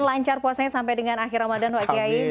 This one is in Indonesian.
lancar puasanya sampai dengan akhir ramadan pak kiai